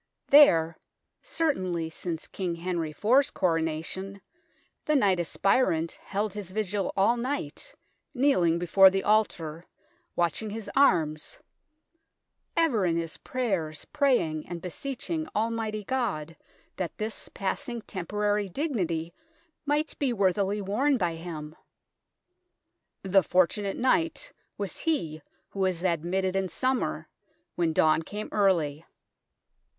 There, certainly since King Henry IV's Coronation, the knight aspirant held his vigil all night, kneeling before the altar, watching his arms, " ever in his prayers praying and beseeching Almighty God that this passing temporary dignity might be worthily worn by him." The fortunate knight was he who was admitted in summer, when dawn came early.